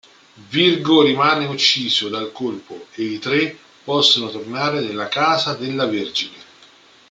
Virgo rimane ucciso dal colpo e i tre possono tornare nella casa della Vergine.